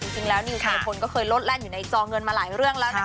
จริงแล้วนิวชัยพลก็เคยลดแล่นอยู่ในจอเงินมาหลายเรื่องแล้วนะคะ